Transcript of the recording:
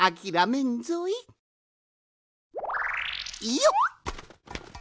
よっ！